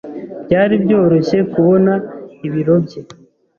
Byari byoroshye kubona ibiro bye.